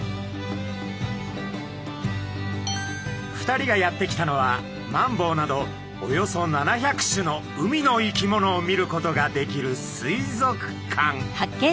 ２人がやって来たのはマンボウなどおよそ７００種の海の生き物を見ることができる水族館。